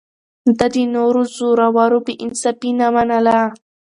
ده د زورورو بې انصافي نه منله.